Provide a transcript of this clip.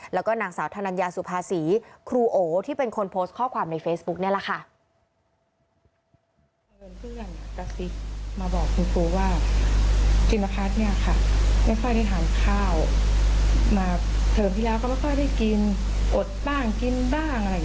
แล้วก็นางสาวธนัญญาสุภาษีครูโอที่เป็นคนโพสต์ข้อความในเฟซบุ๊กนี่แหละค่ะ